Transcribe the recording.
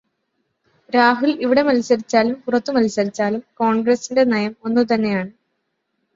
രാഹുൽ ഇവിടെ മത്സരിച്ചാലും പുറത്തുമത്സരിച്ചാലും കോൺഗ്രസിന്റെ നയം ഒന്നുതന്നെയാണ്.